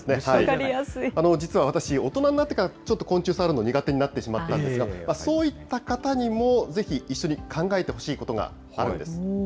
実はわたくし、大人になってからちょっと昆虫を触るのが苦手になってしまったんですが、そういった方にもぜひ一緒に考えてほしいことがあるんです。